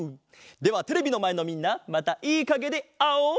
ではテレビのまえのみんなまたいいかげであおう！